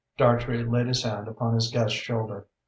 Dartrey laid his hand upon his guest's shoulder.